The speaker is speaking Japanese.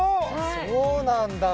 そうなんだ